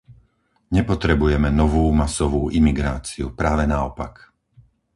Nepotrebujeme novú masovú imigráciu, práve naopak.